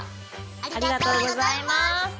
ありがとうございます。